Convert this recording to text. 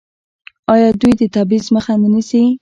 آیا دوی د تبعیض مخه نه نیسي؟